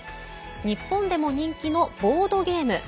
日本でも人気のボードゲーム。